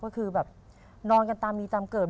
ก็คือแบบนอนกันตามมีตามเกิด